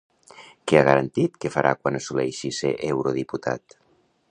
Què ha garantit que farà quan assoleixi ser eurodiputat?